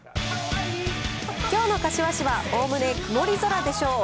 きょうの柏市は、おおむね曇り空でしょう。